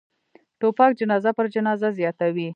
توپک جنازه پر جنازه زیاتوي.